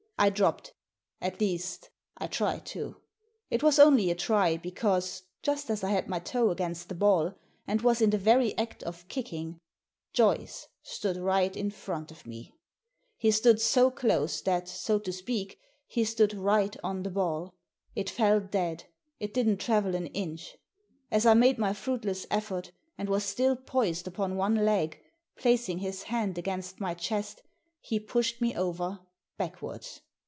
I dropped — ^at least, I tried to. It was only a try, because, just as I had my toe against the ball, and was in the very act of kicking, Joyce stood right in front of met Digitized by VjOOQIC l64 THE SEEN AND THE UNSEEN He stood so close that, so to speak, he stood right on the balL It fell dead, it didn't travel an inch. As I made my fruitless effort, and was still poised upon one 1^, placing his hand against my chest, he pushed me over backwards.